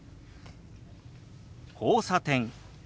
「交差点」。